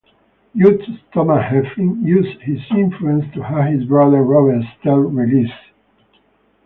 Judge Thomas Heflin used his influence to have his brother Robert Stell released.